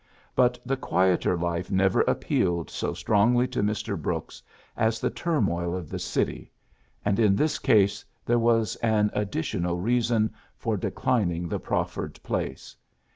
But the quieter life never appealed so strongly to Mr. Brooks as the turmoil of the city j and in this case there was an additional reason for declining the prof fered place.